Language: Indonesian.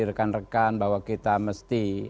rekan rekan bahwa kita mesti